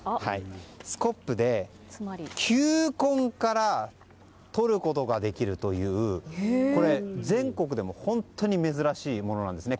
スコップで球根から取ることができるという全国でも本当に珍しいものなんですね。